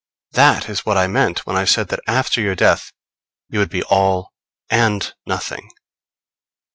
That is what I meant when I said that after your death you would be all and nothing.